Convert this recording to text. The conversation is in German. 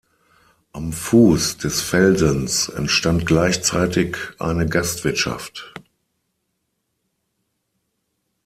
Am Fuß des Felsens entstand gleichzeitig eine Gastwirtschaft.